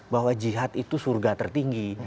bahwa jihad itu surga tertinggi